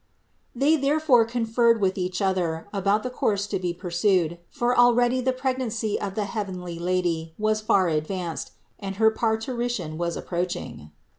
They therefore conferred with each other about the course to be pursued ; for already the pregnancy of the heavenly Lady was far advanced and her parturi tion was approaching.